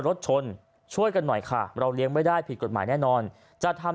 รถชนช่วยกันหน่อยค่ะเราเลี้ยงไม่ได้ผิดกฎหมายแน่นอนจะทำ